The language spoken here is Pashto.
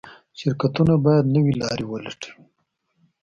شرکتونه باید نوې لارې ولټوي.